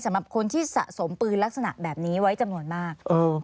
สำหรับคนที่สะสมปืนลักษณะแบบนี้ไว้จำนวนมาก